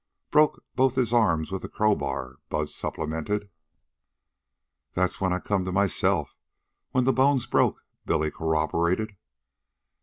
"Broke both his arms with the crowbar," Bud supplemented. "That's when I come to myself, when the bones broke," Billy corroborated.